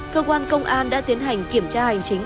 cơ quan công an đã tiến hành kiểm tra hành chính